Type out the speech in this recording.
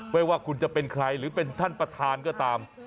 ไม่ว่าคุณจะเป็นใครหรือเป็นท่านประธานก็ตาม